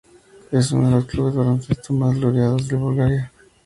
Es uno de los clubes de baloncesto más laureados de Bulgaria.